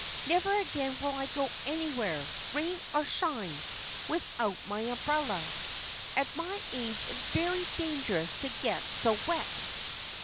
"Never again will I go anywhere, rain or shine, without my umbrella. At my age it's very dangerous to get so wet."